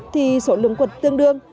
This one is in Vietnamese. thì số lượng quật tương đương